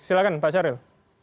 silahkan pak syaril